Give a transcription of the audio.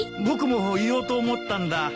僕も言おうと思ったんだ。